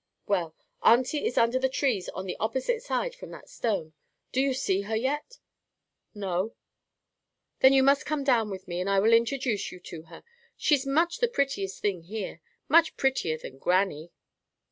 "Well, auntie is under the trees on the opposite side from that stone. Do you see her yet?" "No." "Then you must come down with me, and I will introduce you to her. She's much the prettiest thing here. Much prettier than grannie."